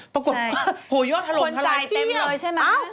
ปรากฎโยชน์ถล่มเท่าไรเยี่ยมคนจ่ายเต็มเลยใช่ไหม